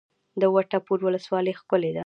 د وټه پور ولسوالۍ ښکلې ده